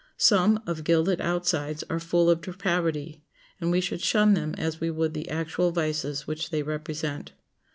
Some, of gilded outsides, are full of depravity, and we should shun them as we would the actual vices which they represent.